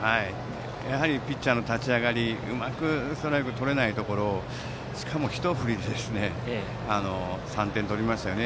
やはりピッチャーの立ち上がりでうまくストライクをとれないところをしかも一振りで３点取りましたね。